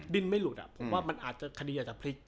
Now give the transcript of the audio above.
ไม่หลุดผมว่ามันอาจจะคดีอาจจะพลิก